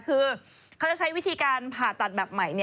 คือเขาจะใช้วิธีการผ่าตัดแบบใหม่